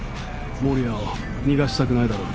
守谷を逃がしたくないだろ。